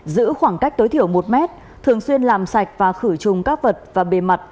giữ khoảng cách tối thiểu một mét thường xuyên làm sạch và khử trùng các vật và bề mặt